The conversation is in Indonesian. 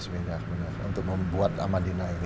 lima ratus miliar untuk membuat amandina ini